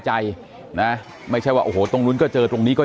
อ๋อเจ้าสีสุข่าวของสิ้นพอได้ด้วย